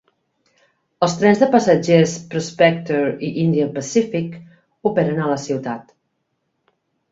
Els trens de passatgers "Prospector" i "Indian Pacific" operen a la ciutat.